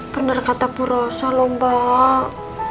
bener kata bu rosa loh mbak